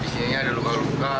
disininya ada luka luka